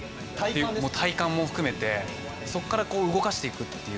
体幹も含めてそこから動かしていくという。